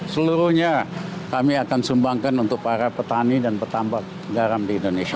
seluruhnya kami akan sumbangkan untuk para petani dan petambak garam di indonesia